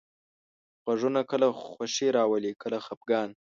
غږونه کله خوښي راولي، کله خپګان.